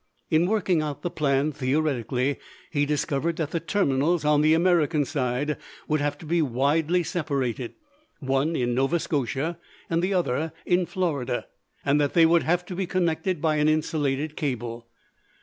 In working out the plan theoretically he discovered that the terminals on the American side would have to be widely separated one in Nova Scotia and the other in Florida and that they would have to be connected by an insulated cable.